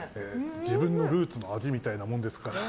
自分のルーツの味みたいなもんですから。